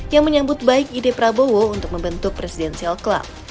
yang menyambut baik ide prabowo untuk membentuk presidensial club